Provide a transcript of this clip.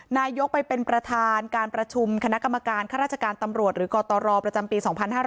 นายกไปเป็นประธานการประชุมคณะกรรมการข้าราชการตำรวจหรือกตรประจำปี๒๕๕๙